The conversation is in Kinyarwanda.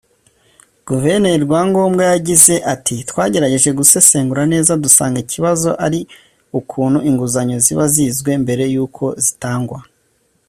Guverineri Rwangombwa yagize ati “Twagerageje gusesengura neza dusanga ikibazo ari ukuntu inguzanyo ziba zizwe mbere y’uko zitangwa